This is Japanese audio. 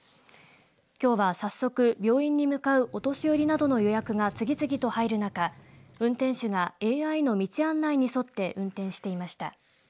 きょうは早速病院に向かうお年寄りなどの予約が次々と入る中運転手がＡＩの道案内に沿って運転していました。